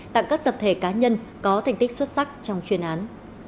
tặng các tập thể cá nhân có thành tích xuất sắc trong chuyên án